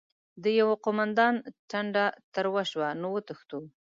د يوه قوماندان ټنډه تروه شوه: نو وتښتو؟!